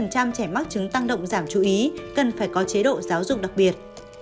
hai mươi trẻ mắc chứng tăng động giảm chú ý cần phải có chế độ giáo dục đặc biệt